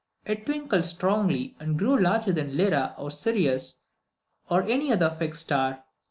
It twinkled strongly, and grew larger than Lyra or Sirius, or any other fixed star.